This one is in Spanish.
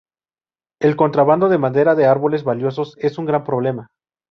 El contrabando de madera de árboles valiosos es un gran problema..